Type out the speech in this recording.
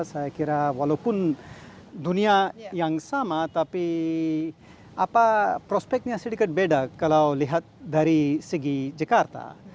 saya kira walaupun dunia yang sama tapi prospeknya sedikit beda kalau lihat dari segi jakarta